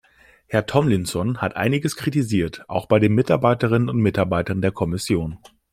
Herr Tomlinson hat einiges kritisiert, auch bei den Mitarbeiterinnen und Mitarbeitern der Kommission.